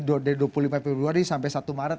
dari dua puluh lima februari sampai satu maret